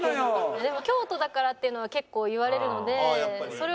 でも京都だからっていうのは結構言われるのでそれは。